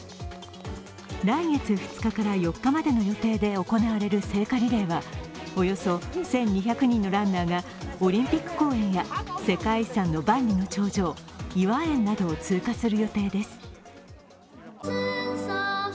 来月２日から４日までの日程で行われる聖火リレーは、およそ１２００人のランナーがオリンピック公園や世界遺産の万里の長城、頤和園などを通過する予定です。